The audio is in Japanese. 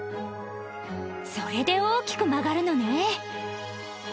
それで大きく曲がるのね